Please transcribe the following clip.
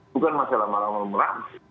bukan masalah ramal ramal